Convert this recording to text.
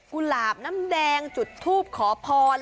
หลาบน้ำแดงจุดทูปขอพร